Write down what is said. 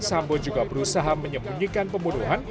sambo juga berusaha menyembunyikan pembunuhan